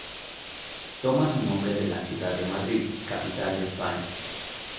Toma su nombre de la ciudad de Madrid, capital de España.